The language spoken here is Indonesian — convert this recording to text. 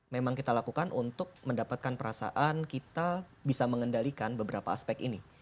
memang kita lakukan untuk mendapatkan perasaan kita bisa mengendalikan beberapa aspek ini